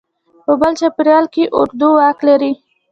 په بل چاپېریال کې اردو واک لري.